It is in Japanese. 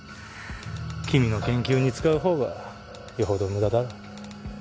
君の研究に使うほうがよほど無駄だろ。